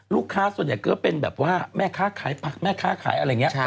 ลูกค้าส่วนใหญ่เกียรติเป็นแบบว่าแม่ค้าขายปักแม่ค้าขายอะไรงี้